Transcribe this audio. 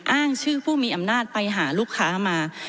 อ้างชื่อผู้มีอำนาจไปหาลูกค้ามา